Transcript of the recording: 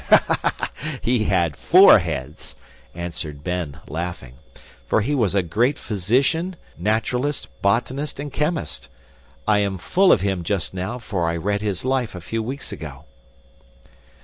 "He had FOUR heads," answered Ben, laughing, "for he was a great physician, naturalist, botanist, and chemist. I am full of him just now, for I read his life a few weeks ago."